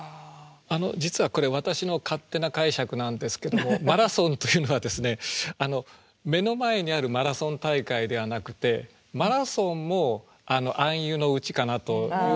実はこれ私の勝手な解釈なんですけども「マラソン」というのは目の前にあるマラソン大会ではなくて「マラソン」も暗喩のうちかなというふうに思った。